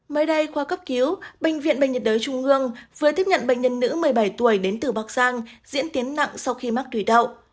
mới đây khoa cấp cứu bệnh viện bệnh nhiệt đới trung ương vừa tiếp nhận bệnh nhân nữ một mươi bảy tuổi đến từ bắc giang diễn tiến nặng sau khi mắc thủy đậu